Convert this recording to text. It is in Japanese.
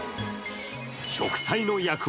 植栽の役割